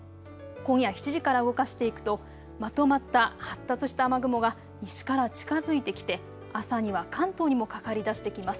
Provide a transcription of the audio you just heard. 今夜７時から動かしていくとまとまった発達した雨雲が西から近づいてきて朝には関東にもかかりだしてきます。